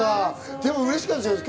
でもうれしかったでしょ？